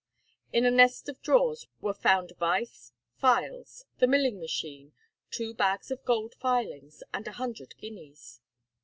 In a nest of drawers were found vice, files, the milling machine, two bags of gold filings, and a hundred guineas.